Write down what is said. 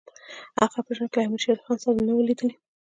هغه په ژوند کې له امیر شېر علي خان سره نه وو لیدلي.